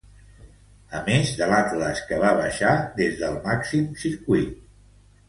A més de l'Atlas que va baixar des del màxim circuit.